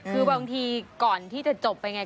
คือบางทีก่อนที่จะจบไปไง